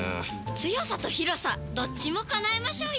強さと広さどっちも叶えましょうよ！